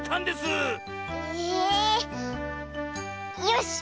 よし！